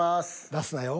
［出すなよ］